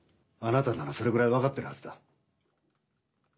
あなたならそのくらいわかってるはずだ！